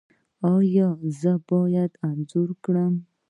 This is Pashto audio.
ایا زه باید انځور کړم؟